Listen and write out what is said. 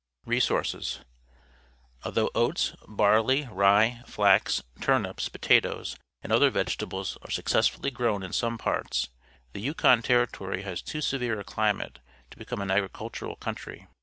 Resources. — Although oats, barley, rye, flax, turnips, potatoes, and other vegetables are successfully grown in some parts, the Yukon Territory has too severe a chmate to become an agricultural country.